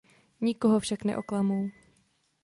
Nikoho však neoklamou.